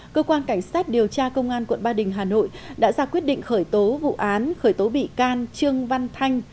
cơ quan cảnh sát điều tra công an quận ba đình hà nội đã ra quyết định khởi tố vụ án khởi tố bị can trương văn thanh